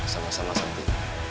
sama sama sakti